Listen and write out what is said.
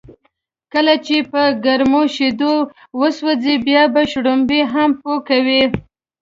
کله چې په گرمو شیدو و سوځې، بیا به شړومبی هم پو کوې.